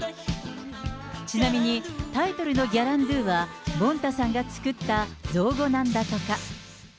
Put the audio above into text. ちなみに、タイトルのギャランドゥは、もんたさんが作った造語なんだとか。